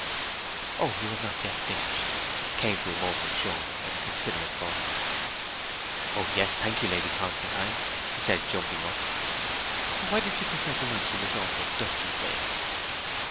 'Oh, you have not finished?' came to him over his shoulder, in a considerate voice. 'O yes, thank you, Lady Constantine,' he said, jumping up. 'Why did you prefer to lunch in this awkward, dusty place?'